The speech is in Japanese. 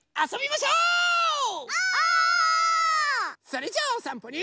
それじゃあおさんぽに。